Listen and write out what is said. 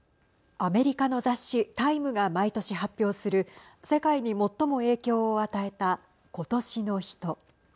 アメリカの雑誌タイムが毎年発表する世界に最も影響を与えた今年の人。